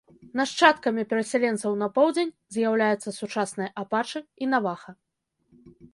Нашчадкамі перасяленцаў на поўдзень з'яўляюцца сучасныя апачы і наваха.